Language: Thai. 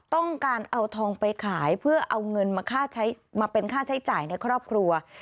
ต้องการเอาทองไปขายเพื่อเอาเงินมาเป็นค่าใช้จ่ายในครอบครัว